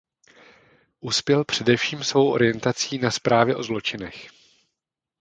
Uspěl především svou orientací na zprávy o zločinech.